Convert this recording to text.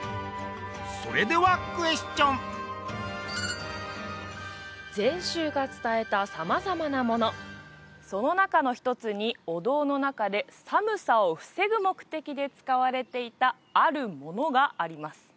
それではクエスチョン禅宗が伝えた様々なものその中の一つにお堂の中で寒さを防ぐ目的で使われていたあるものがあります